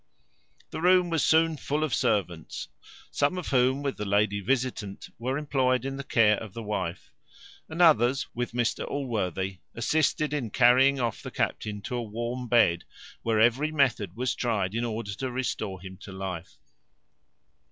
The room was soon full of servants, some of whom, with the lady visitant, were employed in care of the wife; and others, with Mr Allworthy, assisted in carrying off the captain to a warm bed; where every method was tried, in order to restore him to life.